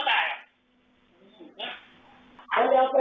ทางด้านหาไป